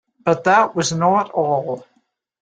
But that was not all.